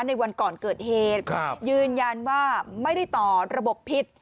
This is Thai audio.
ในวันก่อนเกิดเหตุยืนยันว่าไม่ได้ต่อระบบพิษ